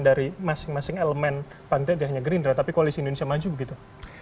dari masing masing elemen partai tidak hanya gerindra tapi koalisi indonesia maju begitu